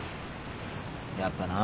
やっぱな。